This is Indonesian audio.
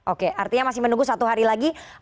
oke artinya masih menunggu satu hari lagi